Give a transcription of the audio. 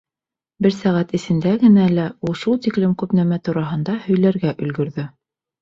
Бер сәғәт эсендә генә лә ул шул тиклем күп нәмә тураһында һөйләргә өлгөрҙө.